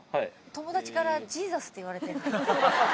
友達からジーザスって言われてるんです